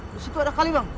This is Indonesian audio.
disitu ada kali bang